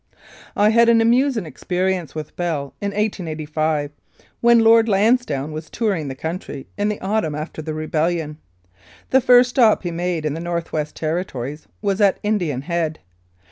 " I had an amusing experience with Bell in 1885, when Lord Lansdowne was touring the country in the autumn after the rebellion. The first stop he made in the North West Territories was at Indian Head.